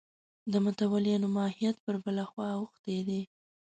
د متولیانو ماهیت پر بله خوا اوښتی دی.